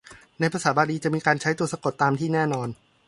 ในภาษาบาลีจะมีการใช้ตัวสะกดตัวตามที่แน่นอน